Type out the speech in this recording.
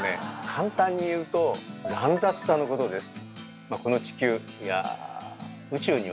簡単に言うと「乱雑さ」のことです。